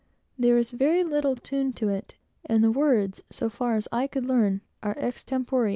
There is very little tune to it, and the words, so far as I could learn, are extempore.